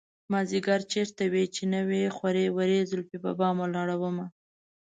مازديگر چېرته وې چې نه وې خورې ورې زلفې په بام ولاړه ومه